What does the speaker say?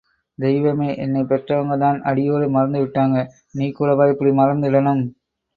தெய்வமே, என்னைப் பெற்றவங்கதான் அடியோடு மறந்து விட்டாங்க – நீ கூடவா இப்படி மறந்திடணும்?